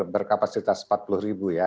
berkapasitas empat puluh ribu ya